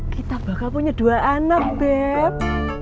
kita bakal punya dua anak bed